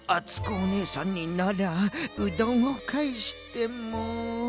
おねえさんにならうどんをかえしても。